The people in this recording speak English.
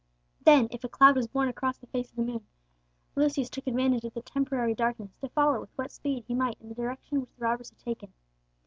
Then, if a cloud was borne across the face of the moon, Lucius took advantage of the temporary darkness to follow with what speed he might in the direction which the robbers had taken.